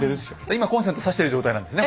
今コンセントさしてる状態なんですね